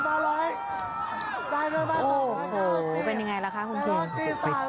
โอ้โหเป็นยังไงล่ะคะคุณคิง